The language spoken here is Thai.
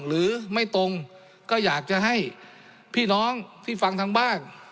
หรือไม่ตรงก็อยากจะให้พี่น้องที่ฟังทางบ้าน